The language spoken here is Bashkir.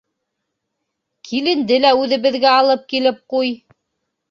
Киленде лә үҙебеҙгә алып килеп ҡуй.